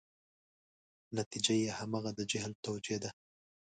نتیجه یې همغه د جهل توجیه ده.